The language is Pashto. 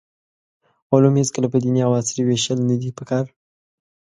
علوم هېڅکله په دیني او عصري ویشل ندي پکار.